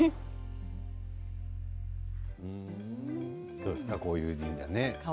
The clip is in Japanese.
どうですかこういう神社。